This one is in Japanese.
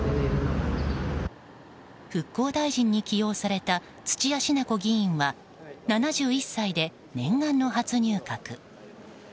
復興大臣に起用された土屋品子議員は７１歳で念願の初入閣。